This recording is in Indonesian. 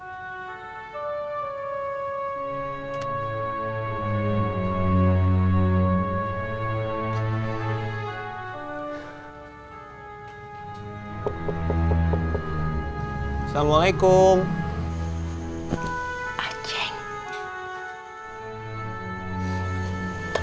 bases sepati kachernya sampe